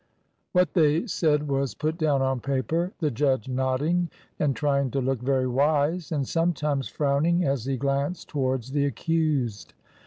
What they said was put down on paper, the judge nodding and trying to look very wise, and sometimes frowning as he glanced towards the accused.